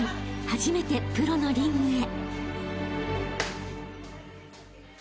初めてプロのリングへ］